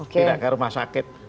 tidak ke rumah sakit